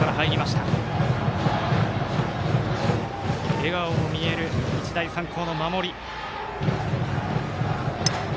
笑顔も見える日大三高の守り。